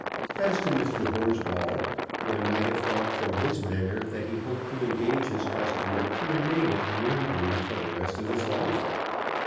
As to Mr. Horsball, one might have thought from his manner that he hoped to engage his customer to remain at the Moonbeam for the rest of his life.